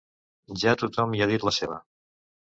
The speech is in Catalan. Ja tothom hi ha dit la seva.